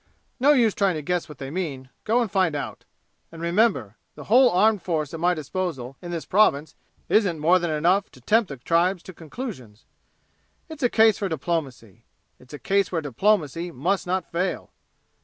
No use trying to guess what they mean; go and find out. And remember the whole armed force at my disposal in this Province isn't more than enough to tempt the tribes to conclusions! It's a case for diplomacy. It's a case where diplomacy must not fail."